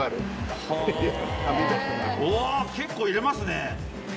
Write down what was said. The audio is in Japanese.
うわ結構入れますね。